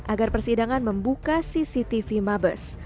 agar persidangan membuka cctv mabes